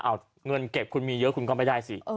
เอาเงินเก็บคุณมีเยอะคุณก็ไม่ได้สิ